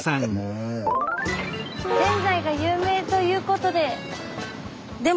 ぜんざいが有名ということで。